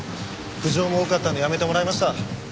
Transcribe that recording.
苦情も多かったんで辞めてもらいました。